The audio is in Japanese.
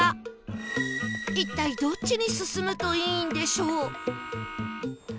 一体どっちに進むといいんでしょう？